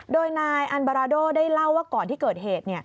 โดยนายอันบาราโดได้เล่าว่าก่อนที่เกิดเหตุ